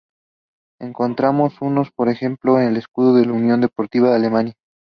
Encontramos uno, por ejemplo, en el escudo de la Unión Deportiva Almería.